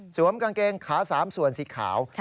สวมกางเกงขาสามส่วนสีขาว